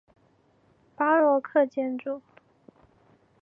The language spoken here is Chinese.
巴洛克建筑。